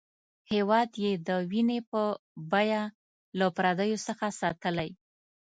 هېواد یې د وینې په بیه له پردیو څخه ساتلی.